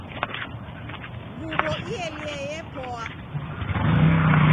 Nguwo ielie yepoa